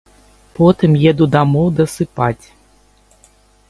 Потым еду дамоў дасыпаць.